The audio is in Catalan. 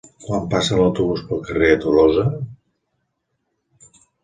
Quan passa l'autobús pel carrer Tolosa?